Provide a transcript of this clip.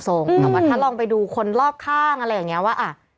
แต่ว่าถ้าลองไปดูคนรอบข้างอะไรอย่างนี้ว่า